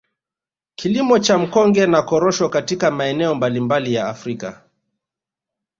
Kilimo cha mkonge na Korosho katika maeneo mbalimbali ya Afrika